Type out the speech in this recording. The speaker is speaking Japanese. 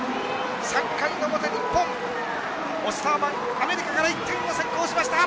３回の表、日本オスターマン、アメリカから１点を先行しました！